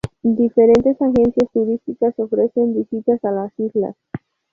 Diferentes agencias turísticas ofrecen visitas a las islas.